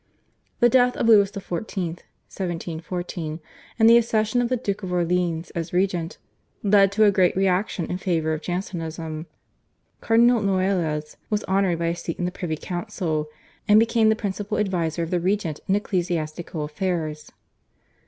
The death of Louis XIV. (1714) and the accession of the Duke of Orleans as regent led to a great reaction in favour of Jansenism. Cardinal Noailles was honoured by a seat in the privy council, and became the principal adviser of the regent in ecclesiastical affairs.